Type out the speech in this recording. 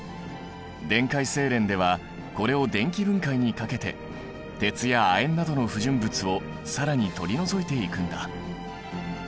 電解精錬ではこれを電気分解にかけて鉄や亜鉛などの不純物を更に取り除いていくんだ。